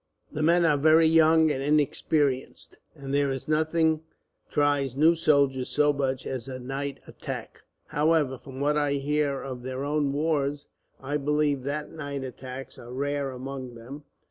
The men are very young and inexperienced, and there is nothing tries new soldiers so much as a night attack. However, from what I hear of their own wars, I believe that night attacks are rare among them.